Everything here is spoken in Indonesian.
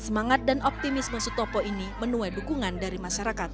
semangat dan optimisme sutopo ini menuai dukungan dari masyarakat